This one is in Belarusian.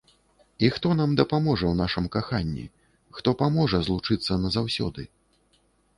І хто нам дапаможа ў нашым каханні, хто паможа злучыцца назаўсёды?